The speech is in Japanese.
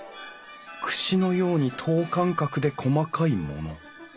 くしのように等間隔で細かいもの。